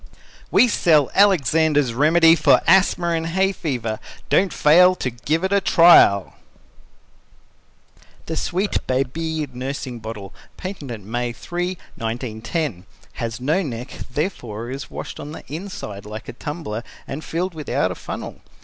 WE SELL ALEXANDER'S REMEDY FOR ASTHMA and HAY FEVER "Don't fail to give it a trial" The Sweet Babee Nursing Bottle Patented May 3, 1910 Has no neck, therefore is washed on the inside like a tumbler, and filled without a funnel.